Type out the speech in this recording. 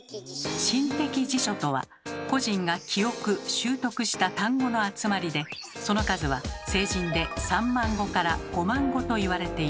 心的辞書とは個人が記憶・習得した単語の集まりでその数は成人で３万語から５万語と言われています。